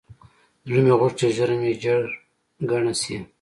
زړه مې غوښت چې ږيره مې ژر گڼه سي.